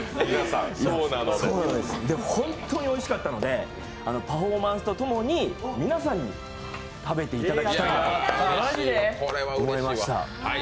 ホントにおいしかったので、パフォーマンスとともに皆さんに食べていただきたいと思いました。